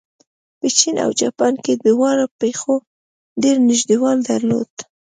په چین او جاپان کې دواړو پېښو ډېر نږدېوالی درلود.